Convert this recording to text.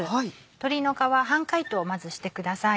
鶏の皮半解凍をまずしてください。